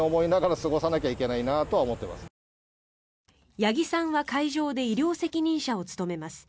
八木さんは会場で医療責任者を務めます。